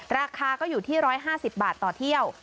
ราคาก็อยู่ที่๑๕๐บาทต่อเที่ยว